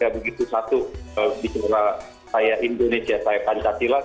begitu satu di sekolah saya indonesia saya pancasila